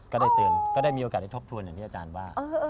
ก็ได้เตือนก็ได้มีโอกาสได้ทบทวนอย่างที่อาจารย์ว่า